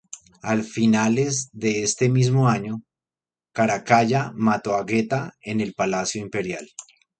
A finales de este mismo año Caracalla mató a Geta en el palacio imperial.